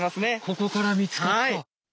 ここから見つかった。